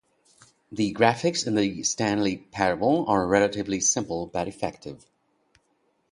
The graphics in The Stanley Parable are relatively simple but effective.